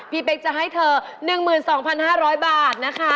เป๊กจะให้เธอ๑๒๕๐๐บาทนะคะ